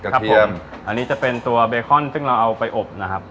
ครับผมอันนี้จะเป็นตัวเบคอนซึ่งเราเอาไปอบนะครับ